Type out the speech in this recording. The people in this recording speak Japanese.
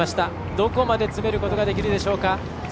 どこまで詰めることができるでしょうか。